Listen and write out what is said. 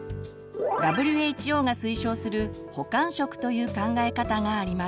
ＷＨＯが推奨する「補完食」という考え方があります。